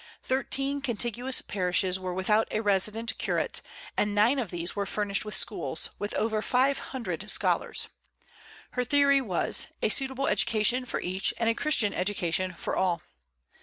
Thirteen contiguous parishes were without a resident curate, and nine of these were furnished with schools, with over five hundred scholars. Her theory was, a suitable education for each, and a Christian education for all.